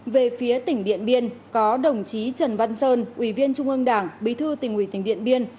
về phía tỉnh điện biên có đồng chí trần văn sơn ủy viên trung ương đảng bí thư tỉnh ủy tỉnh điện biên